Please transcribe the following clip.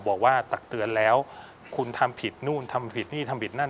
ตักเตือนแล้วคุณทำผิดนู่นทำผิดนี่ทำผิดนั่น